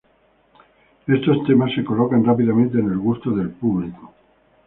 Estos temas se colocan rápidamente en el gusto del público.